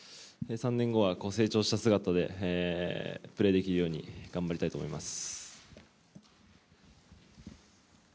３年後は成長した姿でプレーできるように頑張りたいと思います。